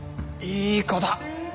いい子だ！